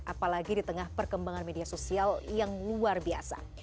apalagi di tengah perkembangan media sosial yang luar biasa